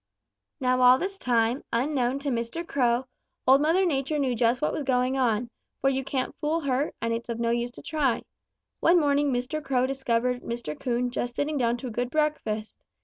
"Now all this time, unknown to old Mr. Crow, Old Mother Nature knew just what was going on, for you can't fool her, and it's of no use to try. One morning Mr. Crow discovered Mr. Coon just sitting down to a good breakfast.